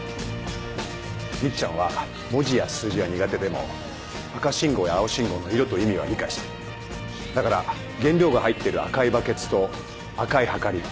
みっちゃんは文字や数字が苦手でも赤信号や青信号の色と意味は理解してるだから原料が入ってる赤いバケツと赤いはかり